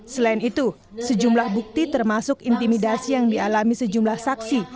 selain itu sejumlah bukti termasuk intimidasi yang dialami sejumlah saksi